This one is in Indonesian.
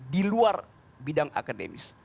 di luar bidang akademis